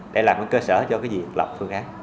để làm cơ sở cho việc lập phương án